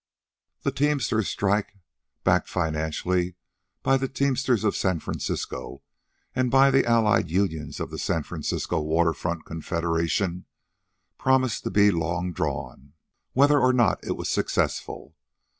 The teamsters' strike, backed financially by the teamsters of San Francisco and by the allied unions of the San Francisco Water Front Confederation, promised to be long drawn, whether or not it was successful.